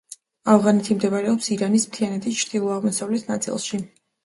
ავღანეთი მდებარეობს ირანის მთიანეთის ჩრდილო-აღმოსავლეთ ნაწილში.